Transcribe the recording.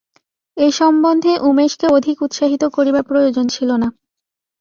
এ সম্বন্ধে উমেশকে অধিক উৎসাহিত করিবার প্রয়োজন ছিল না।